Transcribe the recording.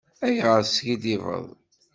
Ayɣer teskiddibeḍ?